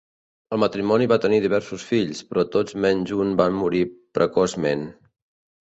El matrimoni va tenir diversos fills, però tots menys un van morir precoçment.